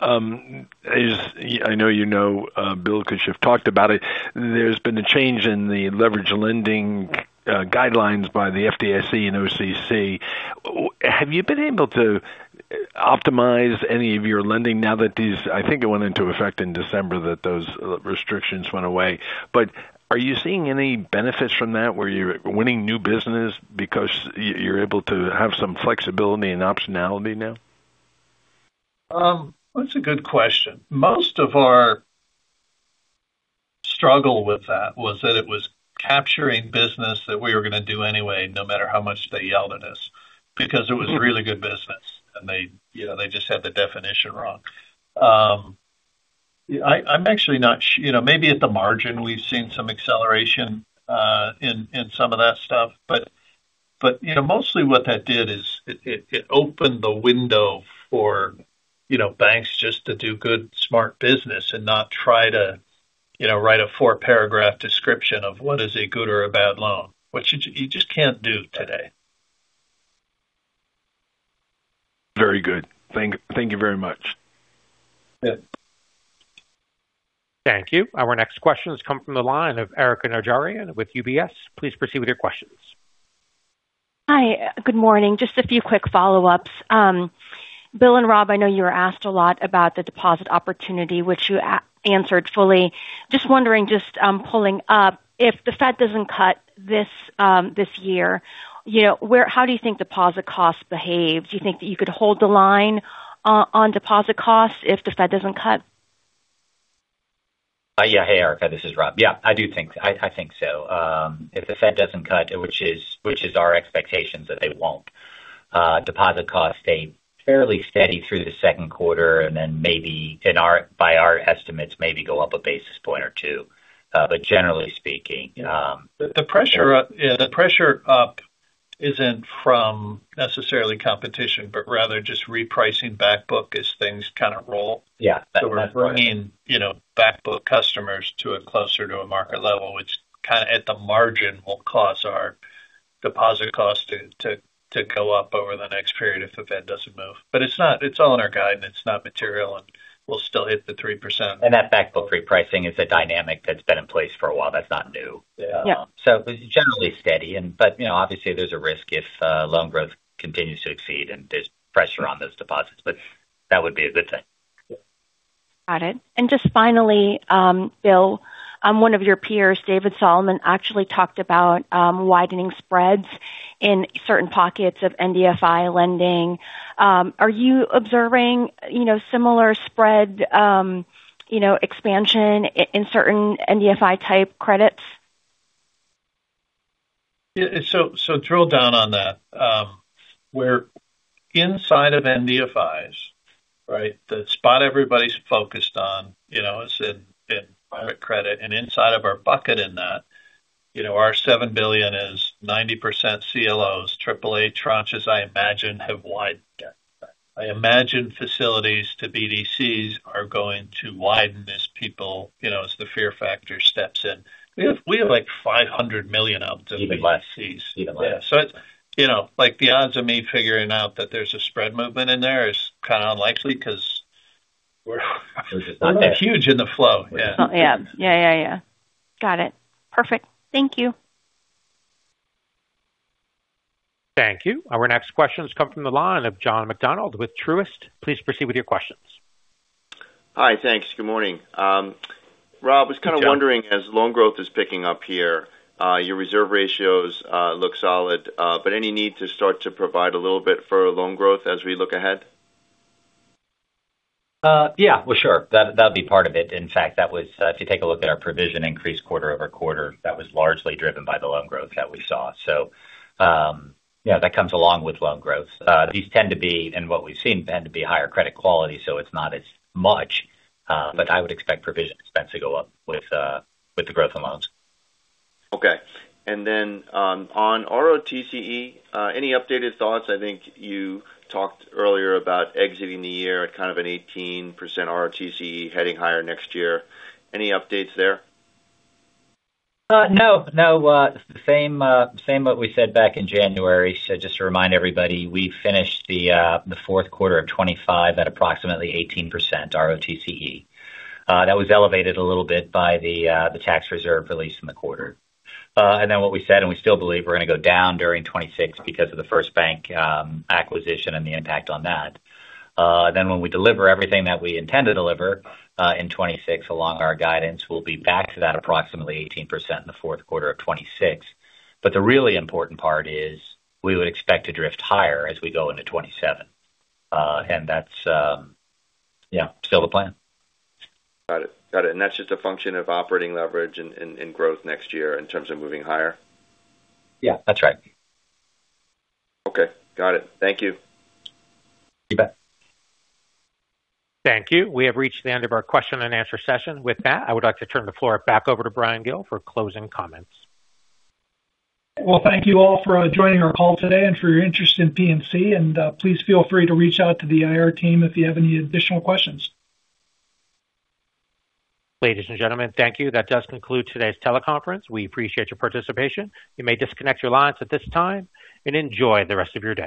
I know you know, Bill, because you've talked about it. There's been a change in the leveraged lending guidelines by the FDIC and OCC. Have you been able to optimize any of your lending now that I think it went into effect in December that those restrictions went away? Are you seeing any benefits from that, where you're winning new business because you're able to have some flexibility and optionality now? That's a good question. Most of our struggle with that was that it was capturing business that we were going to do anyway, no matter how much they yelled at us because it was really good business, and they just had the definition wrong. Maybe at the margin, we've seen some acceleration in some of that stuff. Mostly what that did is it opened the window for banks just to do good, smart business and not try to write a four-paragraph description of what is a good or a bad loan, which you just can't do today. Very good. Thank you very much. Yeah. Thank you. Our next question has come from the line of Erika Najarian with UBS. Please proceed with your questions. Hi. Good morning. Just a few quick follow-ups. Bill and Rob, I know you were asked a lot about the deposit opportunity, which you answered fully. Just wondering, just pulling up, if the Fed doesn't cut this year, how do you think deposit costs behave? Do you think that you could hold the line on deposit costs if the Fed doesn't cut? Yeah. Hey, Erika. This is Rob. Yeah, I do think so. If the Fed doesn't cut, which is our expectations that they won't, deposit costs stay fairly steady through the second `quarter and then maybe by our estimates, maybe go up 1 basis point or 2 basis point generally speaking. The pressure up isn't from necessarily competition, but rather just repricing back book as things kind of roll. Yeah. We're bringing back book customers closer to a market level, which kind of at the margin will cause our deposit cost to go up over the next period if the Fed doesn't move. It's all in our guidance, not material, and we'll still hit the 3%. That back book repricing is a dynamic that's been in place for a while. That's not new. Yeah. It was generally steady. Obviously, there's a risk if loan growth continues to exceed and there's pressure on those deposits. That would be a good thing. Got it. Just finally, Bill, one of your peers, David Solomon, actually talked about widening spreads in certain pockets of NDFI lending. Are you observing similar spread expansion in certain NDFI type credits? Yeah. Drill down on that. Where inside of NDFI, the spot everybody's focused on is in private credit and inside of our bucket in that, our $7 billion is 90% CLOs. AAA tranches I imagine have widened. I imagine facilities to BDCs are going to widen as the fear factor steps in. We have like $500 million out to BDCs. Even less. Yeah. Like the odds of me figuring out that there's a spread movement in there is kind of unlikely. It's just not there. Huge in the flow. Yeah. Yeah. Got it. Perfect. Thank you. Thank you. Our next questions come from the line of John McDonald with Truist. Please proceed with your questions. Hi. Thanks. Good morning, Rob. Yeah. was kind of wondering, as loan growth is picking up here, your reserve ratios look solid, but any need to start to provide a little bit for loan growth as we look ahead? Yeah, well, sure, that'd be part of it. In fact, if you take a look at our provision increase quarter-over-quarter, that was largely driven by the loan growth that we saw. That comes along with loan growth. What we've seen tend to be higher credit quality, so it's not as much, but I would expect provision expense to go up with the growth in loans. Okay. On ROTCE, any updated thoughts? I think you talked earlier about exiting the year at kind of an 18% ROTCE heading higher next year. Any updates there? No. The same what we said back in January. Just to remind everybody, we finished the fourth quarter of 2025 at approximately 18% ROTCE. That was elevated a little bit by the tax reserve release in the quarter. What we said, and we still believe we're going to go down during 2026 because of the FirstBank acquisition and the impact on that. When we deliver everything that we intend to deliver in 2026 along our guidance, we'll be back to that approximately 18% in the fourth quarter of 2026. The really important part is we would expect to drift higher as we go into 2027. That's still the plan. Got it. That's just a function of operating leverage and growth next year in terms of moving higher? Yeah, that's right. Okay, got it. Thank you. You bet. Thank you. We have reached the end of our question and answer session. With that, I would like to turn the floor back over to Bryan Gill for closing comments. Well, thank you all for joining our call today and for your interest in PNC, and please feel free to reach out to the IR team if you have any additional questions. Ladies and gentlemen, thank you. That does conclude today's teleconference. We appreciate your participation. You may disconnect your lines at this time, and enjoy the rest of your day.